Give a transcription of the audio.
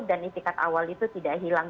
dan istikat awal itu tidak hilang